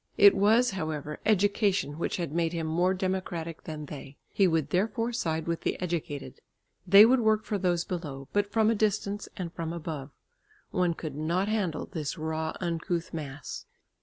It was, however, education which had made him more democratic than they; he would therefore side with the educated. They would work for those below, but from a distance, and from above. One could not handle this raw uncouth mass.